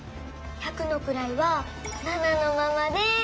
百のくらいは「７」のままで。